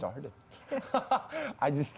jadi masih panjang banget